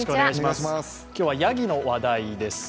今日はやぎの話題です。